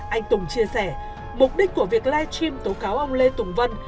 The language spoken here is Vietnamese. anh tùng chia sẻ mục đích của việc live stream tố cáo ông lê tùng vân